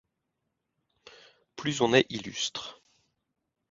Plus on est illustre